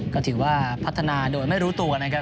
ก็ถือว่าพัฒนาโดยไม่รู้ตัวนะครับ